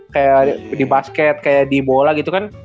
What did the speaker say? kayak di basket kayak di bola gitu kan